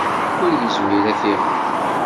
Ur yezmir ad t-iɣer.